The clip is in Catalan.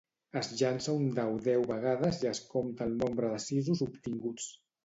Es llança un dau deu vegades i es compta el nombre de sisos obtinguts